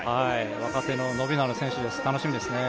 若手で伸びのある選手、楽しみですね。